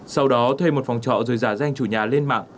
sau đó thuê một phòng trọ rồi giả danh chủ nhà lên mạng